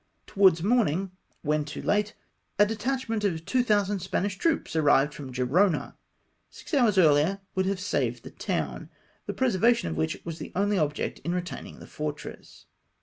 Towards morning — when too late — a detachment of 2000 Spanish troops arrived from Gerona ! Six hoiu s earher would have saved the town, the preservation of which was the only object in retaining the fortress.